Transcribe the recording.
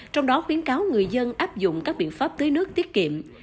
trong đó khuyến cáo người dân áp dụng các biện pháp tưới nước tiết kiệm